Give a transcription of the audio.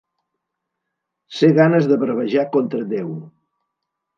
Ser ganes de bravejar contra Déu.